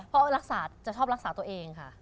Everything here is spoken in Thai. เพราะรักษาจะชอบรักษาตัวเองค่ะ